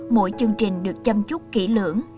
mỗi chương trình được chăm chút kỹ lưỡng